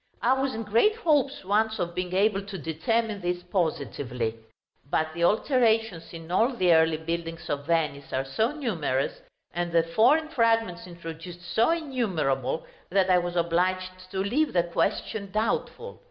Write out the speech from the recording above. I was in great hopes once of being able to determine this positively; but the alterations in all the early buildings of Venice are so numerous, and the foreign fragments introduced so innumerable, that I was obliged to leave the question doubtful.